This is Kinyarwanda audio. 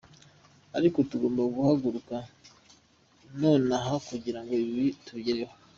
Ariko tugomba guhaguruka nonaha kugira ngo ibi tubigereho.